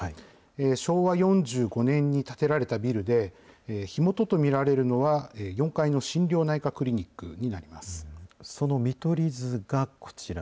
昭和４５年に建てられたビルで、火元と見られるのは、４階の心療内科クリニックになります。